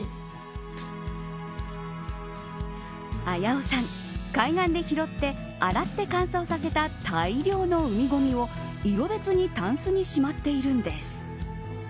あやおさん、海岸で拾って洗って乾燥させた大量の海ごみを色別にたんすにしまっているんです。